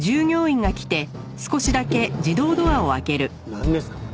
なんですか？